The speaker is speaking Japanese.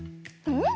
うん。